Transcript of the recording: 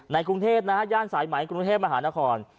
กรุงเทพนะฮะย่านสายไหมกรุงเทพมหานคร